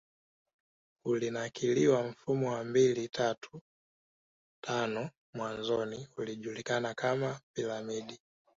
ulinakiliwa Mfumo wa mbili tatu tano mwanzoni ulijulikana kama Piramidi